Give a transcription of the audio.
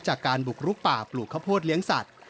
จากการบุกลุกป่าปลูกข้าวโพดเลี้ยงสัตว์